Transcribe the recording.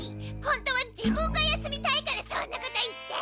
ほんとは自分が休みたいからそんなこと言って！